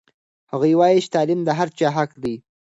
هغوی وایي چې تعلیم د هر چا حق دی.